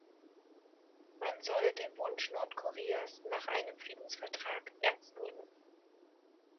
Man solle den Wunsch Nordkoreas nach einem Friedensvertrag ernst nehmen.